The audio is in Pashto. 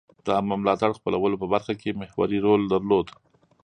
د عامه ملاتړ خپلولو په برخه کې محوري رول درلود.